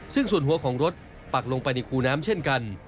ซึ่งส่วนหัวของรถปักลงไปในคูน้ำเช่นกัน